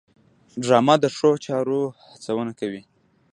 ډرامه د ښو چارو هڅونه کوي